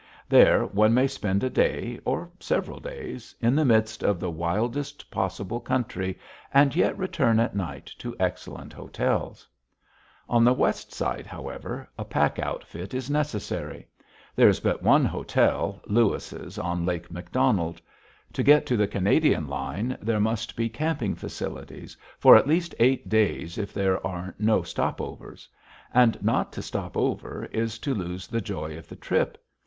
There, one may spend a day, or several days, in the midst of the wildest possible country and yet return at night to excellent hotels. On the west side, however, a pack outfit is necessary. There is but one hotel, Lewis's, on Lake McDonald. To get to the Canadian line, there must be camping facilities for at least eight days if there are no stop overs. And not to stop over is to lose the joy of the trip.